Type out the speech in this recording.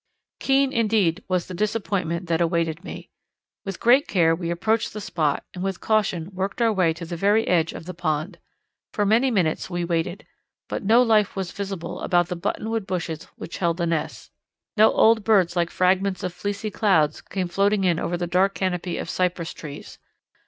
Keen indeed was the disappointment that awaited me. With great care we approached the spot and with caution worked our way to the very edge of the pond. For many minutes we waited, but no life was visible about the buttonwood bushes which held the nests no old birds like fragments of fleecy clouds came floating in over the dark canopy of cypress trees.